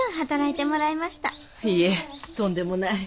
いえとんでもない。